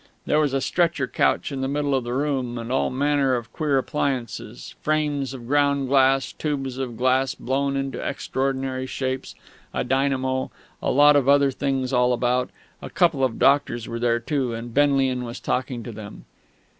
There was a stretcher couch in the middle of the room, and all manner of queer appliances, frames of ground glass, tubes of glass blown into extraordinary shapes, a dynamo, and a lot of other things all about. A couple of doctors were there too, and Benlian was talking to them.